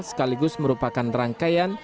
sekaligus merupakan rangkaian